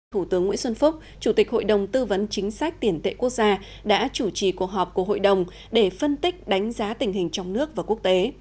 thủ tướng nguyễn xuân phúc chủ tịch hội đồng tư vấn chính sách tiền tệ quốc gia đã chủ trì cuộc họp của hội đồng để phân tích đánh giá tình hình trong nước và quốc tế